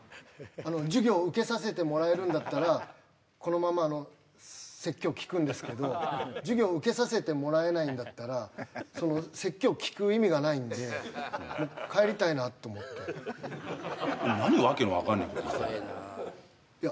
あの授業受けさせてもらえるんだったらこのままあの説教聞くんですけど授業受けさせてもらえないんだったらその説教を聞く意味がないんでもう帰りたいなと思って何訳の分かんねえこと言ってんだいや